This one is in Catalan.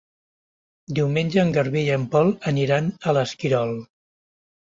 Diumenge en Garbí i en Pol aniran a l'Esquirol.